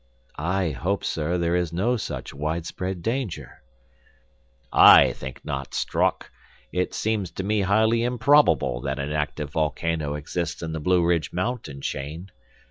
"I hope, sir, there is no such widespread danger." "I think not, Strock; it seems to me highly improbable that an active volcano exists in the Blueridge mountain chain.